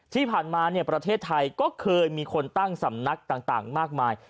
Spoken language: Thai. ที่ผ่านมาประเทศไทยก็เคยมีคนตั้งสำนักต่างมากมาย